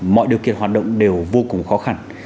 mọi điều kiện hoạt động đều vô cùng khó khăn